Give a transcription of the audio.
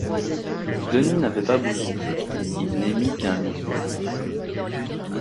Denis n’avait pas bougé. Il n’émit qu’un murmure.